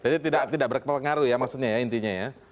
tidak berpengaruh ya maksudnya ya intinya ya